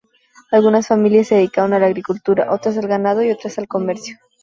Algunas familias se dedicaron a la agricultura, otras al ganado y otras al comercio.